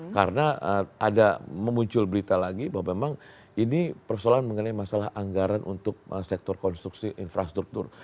karena ada memuncul berita lagi bahwa memang ini persoalan mengenai masalah anggaran untuk sektor konstruksi infrastruktur